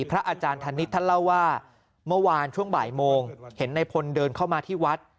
พระอาจารย์ธนิษฐ์ท่านเล่าว่าเมื่อวานช่วงบ่ายโมงเห็นในพลเดินเข้ามาที่วัด